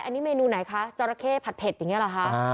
อันนี้เมนูไหนคะจราเข้ผัดเผ็ดอย่างนี้เหรอคะ